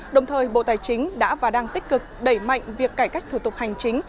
đồng thời bộ tài chính đã và đang tích cực đẩy mạnh việc cải cách thủ tục hành chính